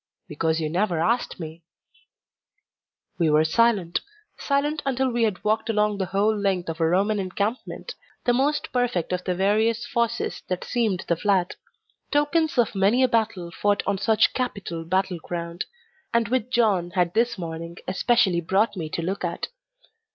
"Because you never asked me." We were silent. Silent until we had walked along the whole length of a Roman encampment, the most perfect of the various fosses that seamed the flat tokens of many a battle fought on such capital battleground, and which John had this morning especially brought me to look at.